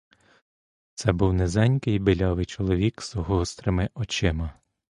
Це був низенький, білявий чоловік з гострими очима.